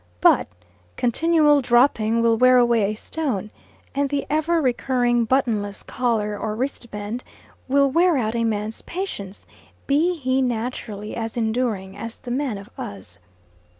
But continual dropping will wear away a stone, and the ever recurring buttonless collar or wristband will wear out a man's patience, be he naturally as enduring as the Man Of Uz.